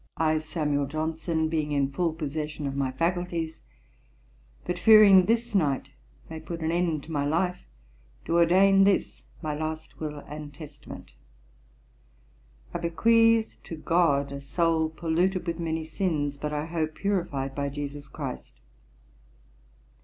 I, SAMUEL JOHNSON, being in full possession of my faculties, but fearing this night may put an end to my life, do ordain this my last Will and Testament. I bequeath to GOD, a soul polluted with many sins, but I hope purified by JESUS CHRIST.